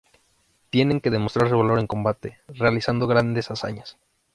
Tienen que demostrar su valor en combate, realizando grandes hazañas.